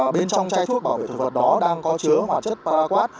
bên trong chai thuốc bảo vệ thực vật đó đang có chứa hoạt chất paraquat